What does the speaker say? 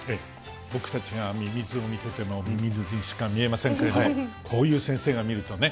僕たちがミミズを見てても、ミミズにしか見えませんけれども、こういう先生が見るとね。